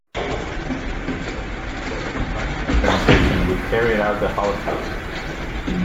In particular, it was the primary organization which carried out the Holocaust.